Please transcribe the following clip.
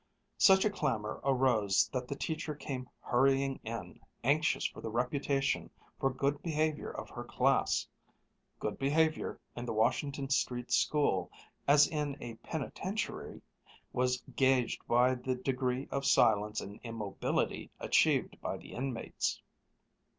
Such a clamor arose that the teacher came hurrying in, anxious for the reputation for good behavior of her class. Good behavior in the Washington Street School, as in a penitentiary, was gauged by the degree of silence and immobility achieved by the inmates.